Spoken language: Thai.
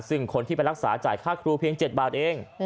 ซึ่งคนที่ไปรักษาจ่ายค่าครูเพียง๗บาทเอง